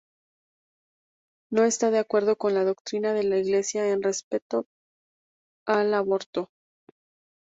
No está de acuerdo con la doctrina de la iglesia en respecto al aborto.